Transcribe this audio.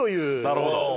なるほど。